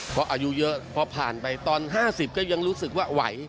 เพราะอายุเยอะพอผ่านไปตอน๕๐ก็ยังรู้สึกว่าไหว